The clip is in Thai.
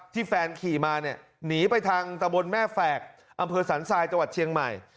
แฟนขี่มาเนี่ยหนีไปทางตะบนแม่แฝกอำเภอสันทรายจังหวัดเชียงใหม่